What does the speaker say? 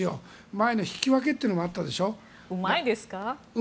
前の引き分けというのもあったでしょう。